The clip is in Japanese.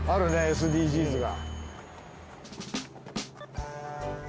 ＳＤＧｓが。